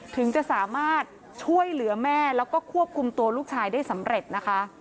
ถึงจะสามารถช่วยเหลือแม่แล้วก็ควบคุมตัวลูกชายได้สำเร็จนะคะ